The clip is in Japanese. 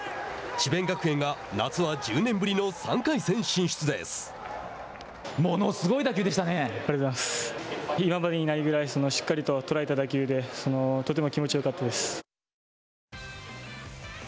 智弁学園が夏は１０年ぶりの３回戦進出です。